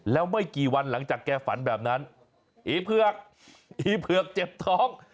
แล้วไม่กี่วันหลังจากแกฝันแบบนั้นอีเผือกอีเผือกเจ็บท้อง